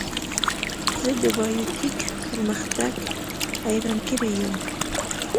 زه د بایو ټیک پرمختګ حیران کړی یم.